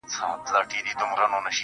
پرېميږده ، پرېميږده سزا ده د خداى.